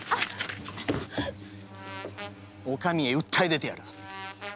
お上へ訴え出てやる。